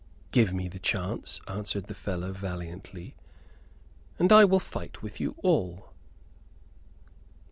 "Give me the chance," answered the fellow, valiantly, "and I will fight with you all."